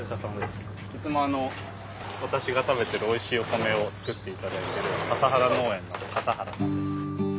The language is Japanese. いつもあの私が食べてるおいしいお米を作っていただいてる笠原農園の笠原さんです。